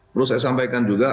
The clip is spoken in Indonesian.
lalu saya sampaikan juga